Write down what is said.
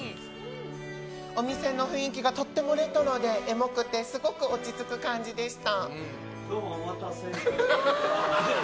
お店の雰囲気がとってもレトロでエモくてすっごく落ち着く感じでした。